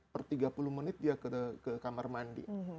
per tiga puluh menit dia ke kamar mandi